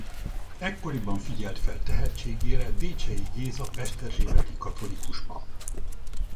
Ekkoriban figyelt fel tehetségére Décsei Géza pesterzsébeti katolikus pap.